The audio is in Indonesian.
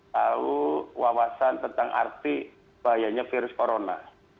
tahu wawasan tentang arti bahayanya virus corona